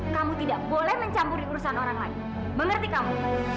kamu tidak boleh mencampuri urusan orang lain mengerti kamu